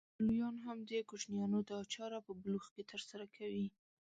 خو ډېر لويان هم د کوچنيانو دا چاره په بلوغ کې ترسره کوي.